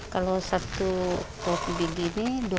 kalau satu topi begini dua ratus lima puluh